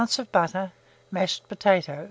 of butter, mashed potatoes.